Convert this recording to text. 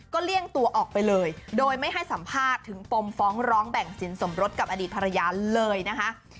เลี่ยงตัวออกไปเลยโดยไม่ให้สัมภาษณ์ถึงปมฟ้องร้องแบ่งสินสมรสกับอดีตภรรยาเลยนะคะ